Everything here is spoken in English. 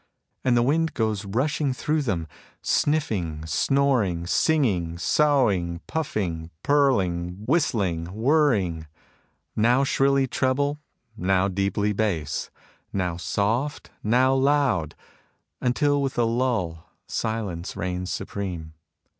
And the wind goes rushing through them, sniffing, snoring, singing, soughing, puffing, purling, whistling, whirring, now shrilly treble, now deeply bass, now soft, now loud ; until, with a lull, silence reigns supreme.